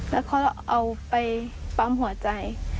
แล้วก็เอาไปปั๊มหัวใจ